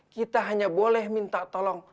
kita hanya boleh minta tolong